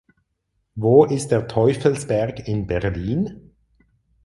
Wo ist der Teufelsberg in Berlin?